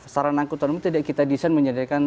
saran angkutan umum tidak kita desain menyediakan